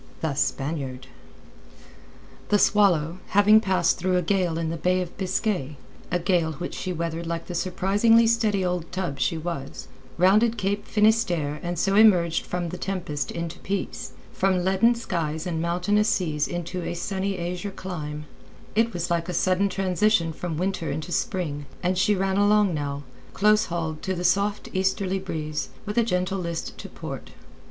THE SPANIARD The Swallow, having passed through a gale in the Bay of Biscay—a gale which she weathered like the surprisingly steady old tub she was—rounded Cape Finisterre and so emerged from tempest into peace, from leaden skies and mountainous seas into a sunny azure calm. It was like a sudden transition from winter into spring, and she ran along now, close hauled to the soft easterly breeze, with a gentle list to port.